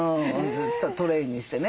トレーにしてね。